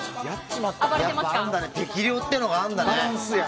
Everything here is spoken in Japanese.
適量ってのがあるんだね。